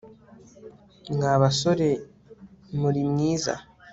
Mwa basore murimwiza